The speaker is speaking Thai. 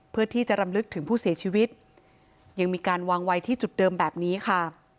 เพื่อที่จะรำลึกถึงผู้เสียชีวิตยังมีการวางไว้ที่จุดเดิมแบบนี้ค่ะ